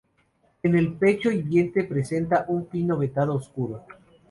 En el pecho y vientre presenta un fino veteado oscuro.